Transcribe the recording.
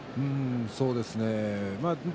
そうですね。